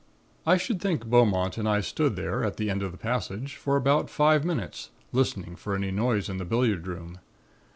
"I should think Beaumont and I stood there, at the end of the passage for about five minutes, listening for any noise in the billiard room.